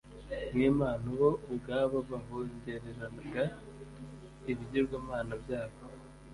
nk’impano bo ubwabo bahongereraga ibigirwamana byabo